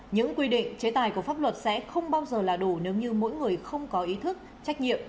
những quy định chế tài của pháp luật sẽ không bao giờ là đủ nếu như mỗi người không có ý thức trách nhiệm